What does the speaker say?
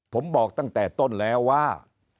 ผมบอกตั้งแต่ต้นแล้วว่า